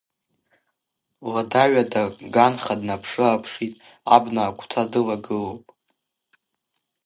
Лада-ҩада, ганха днаԥшы-ааԥшит, абна агәҭа дылагылоуп.